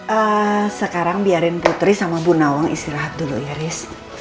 eee sekarang biarin putri sama bunawang istirahat dulu ya riz